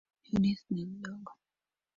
Judith ni mdogo.